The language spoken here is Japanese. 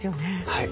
はい。